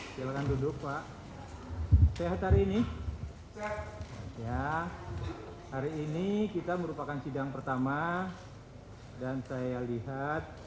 silakan duduk pak sehat hari ini ya hari ini kita merupakan sidang pertama dan saya lihat